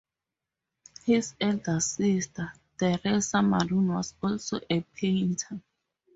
His elder sister, Therese Maron was also a painter.